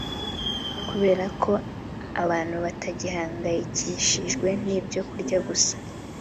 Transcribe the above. kubera ko abantu batagihangayikishijwe n’ibyo kurya gusa